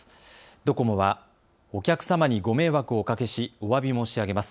ドコモはお客様にご迷惑をおかけしおわび申し上げます。